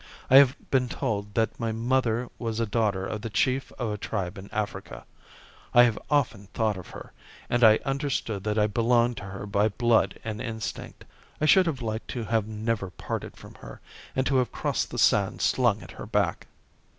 I have been told that my mother was a daughter of the chief of a tribe in Africa. I have often thought of her, and I understood that I belonged to her by blood and instinct. I should have liked to have never parted from her, and to have crossed the sand slung at her back.